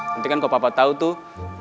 nanti kan kalo papa tau tuh